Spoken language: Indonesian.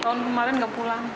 tahun kemarin nggak pulang